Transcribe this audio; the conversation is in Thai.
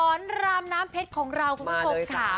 รามน้ำเพชรของเราคุณผู้ชมค่ะ